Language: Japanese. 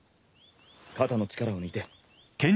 肩の力を抜いて。